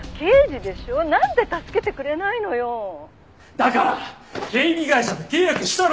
だから警備会社と契約したろ！